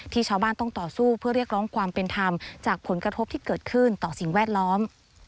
ชาวบ้านต้องต่อสู้เพื่อเรียกร้องความเป็นธรรมจากผลกระทบที่เกิดขึ้นต่อสิ่งแวดล้อม